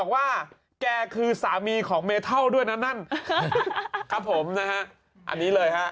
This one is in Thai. ว่าแกคือสามีของเมทัลด้วยนะนั่นครับผมนะฮะอันนี้เลยฮะ